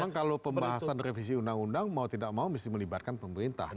memang kalau pembahasan revisi undang undang mau tidak mau mesti melibatkan pemerintah